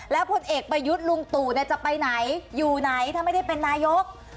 พลเอกประยุทธ์ลุงตู่จะไปไหนอยู่ไหนถ้าไม่ได้เป็นนายก